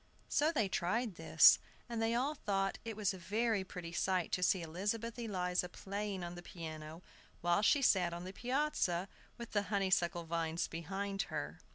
So they tried this; and they all thought it was a very pretty sight to see Elizabeth Eliza playing on the piano, while she sat on the piazza, with the honeysuckle vines behind her.